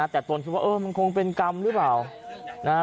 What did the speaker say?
แต่ต้นคิดว่ามันคงเป็นกรรมหรือเปล่า